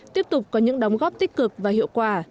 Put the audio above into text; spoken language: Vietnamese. tiếp tục có những đóng góp tích cực và hiệu quả